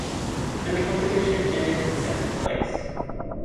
And the competition ended in seventh place.